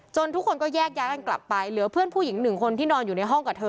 ทุกคนก็แยกย้ายกันกลับไปเหลือเพื่อนผู้หญิงหนึ่งคนที่นอนอยู่ในห้องกับเธอ